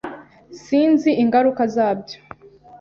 Sinzi ingaruka zabyo